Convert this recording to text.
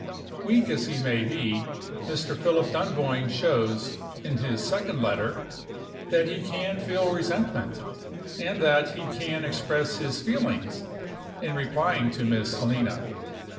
Weak as he may be, Mr. Philip Dunboyne shows (in his second letter) that he can feel resentment, and that he can express his feelings, in replying to Miss Helena.